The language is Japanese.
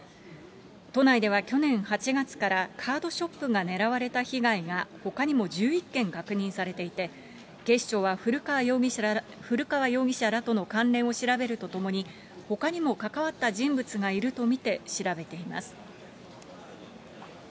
都内では去年８月からカードショップが狙われた被害がほかにも１１件確認されていて、警視庁は古川容疑者らとの関連を調べるとともに、ほかにも関わった人物がいると見て調べています。